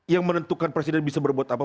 yang menentukan presiden bisa berbuat apa